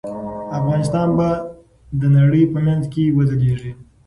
افغانستان به د نړۍ په منځ کې وځليږي.